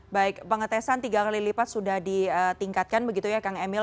baik pengetesan tiga kali lipat sudah ditingkatkan begitu ya kang emil